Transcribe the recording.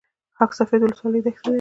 خاک سفید ولسوالۍ دښتې لري؟